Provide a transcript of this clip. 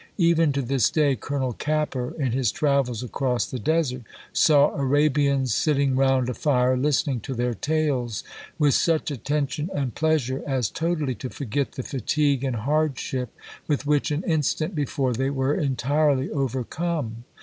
Even to this day Colonel Capper, in his travels across the Desert, saw "Arabians sitting round a fire, listening to their tales with such attention and pleasure, as totally to forget the fatigue and hardship with which an instant before they were entirely overcome."